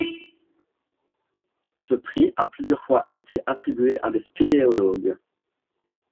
Ce prix a plusieurs fois été attribué à des spéléologues.